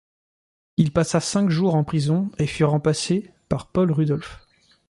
Il passa cinq jours en prison et fut remplacé par Paul Rudolph.